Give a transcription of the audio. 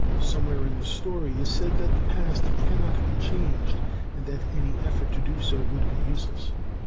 Somewhere in the story is said that the past cannot be changed, and that any effort to do so would be useless.